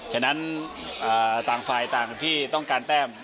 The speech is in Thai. ฉะนั้นต่างฝ่ายต่างที่ต้องการแต้ม